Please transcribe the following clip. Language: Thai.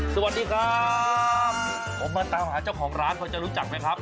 สวัสดีครับผมมาตามหาเจ้าของร้านเขาจะรู้จักไหมครับ